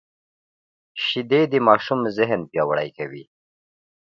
شیدې د ماشوم ذهن پیاوړی کوي